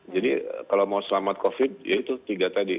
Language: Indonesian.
jadi kalau mau selamat covid ya itu tiga tadi